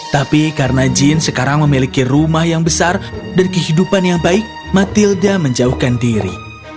tapi karena jin sekarang memiliki rumah yang besar dan kehidupan yang baik matilda menjauhkan diri